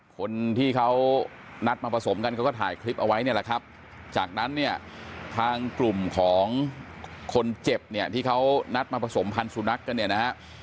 คนที่เขานัดมาผสมกันเขาก็ถ่ายคลิปเอาไว้เนี่ยแหละครับจากนั้นเนี่ยทางกลุ่มของคนเจ็บเนี่ยที่เขานัดมาผสมพันธ์สุนัขกันเนี่ยนะฮะ